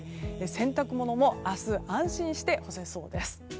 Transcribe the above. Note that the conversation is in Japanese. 洗濯物も明日安心して干せそうです。